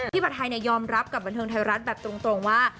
ผัดไทยยอมรับกับบันเทิงไทยรัฐแบบตรงว่า